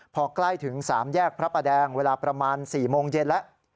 พอใกล้ถึง๓แยกพระประแดงเวลาประมาณ๔โมงเย็นแล้ว